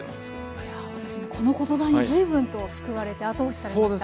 いや私もこの言葉に随分と救われて後押しされました。